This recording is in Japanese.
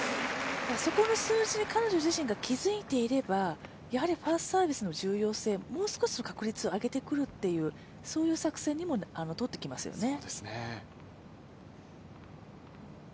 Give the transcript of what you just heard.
そこの数字に彼女自身が気づいていれば、ファーストサービスの重要性、もう少し確率を上げてくるという作戦もとってきますよね。